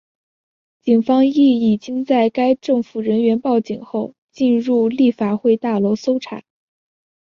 警方亦已经在该政府人员报警后进入立法会大楼搜查。